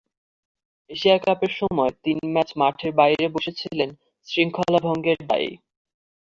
Asia কাপের সময় তিন ম্যাচ মাঠের বাইরে বসে ছিলেন শৃঙ্খলাভঙ্গের দায়েই।